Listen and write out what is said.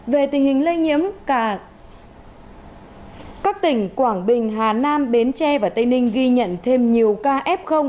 về tình hình lây nhiễm cả các tỉnh quảng bình hà nam bến tre và tây ninh ghi nhận thêm nhiều ca f